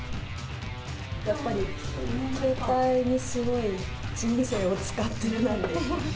やっぱり携帯にすごい人生を使っているなって。